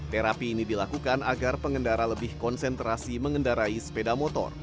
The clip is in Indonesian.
terapi ini dilakukan agar pengendara lebih konsentrasi mengendarai sepeda motor